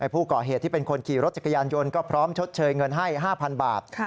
ผู้ก่อเหตุที่เป็นคนขี่รถจักรยานยนต์ก็พร้อมชดเชยเงินให้๕๐๐บาท